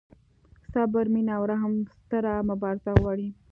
صبر، مینه او رحم ستره مبارزه غواړي.